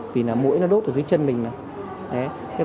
vì là mũi nó đốt ở dưới chân mình nè